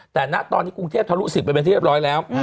แต่ณตอนนี้กรุงเทพทะลุ๑๐ไปเป็นที่เรียบร้อยแล้ว